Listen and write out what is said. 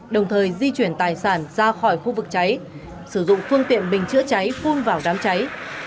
đồng thời di chuyển tài sản ra khỏi khu vực cháy sử dụng phương tiện bình chữa cháy phun vào đám cháy